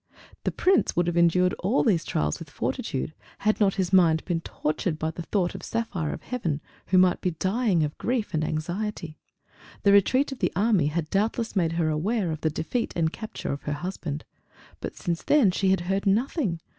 The Prince would have endured all these trials with fortitude had not his mind been tortured by the thought of Saphire of Heaven, who might be dying of grief and anxiety. The retreat of the Army had doubtless made her aware of the defeat and capture of her husband. But since then she had heard nothing.